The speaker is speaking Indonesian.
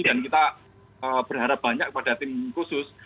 dan kita berharap banyak kepada tim khusus